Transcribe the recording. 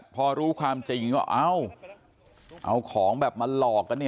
พอรู้ความจริงก็เอ้าเอาของแบบมาหลอกกันเนี่ย